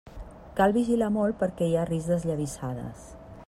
Cal vigilar molt perquè hi ha risc d'esllavissades.